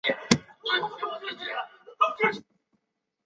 六十年代至七十年代初期曾为不同文学杂志及报刊撰文。